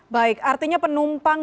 baik artinya penumpang